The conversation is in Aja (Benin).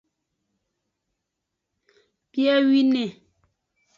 Biewine.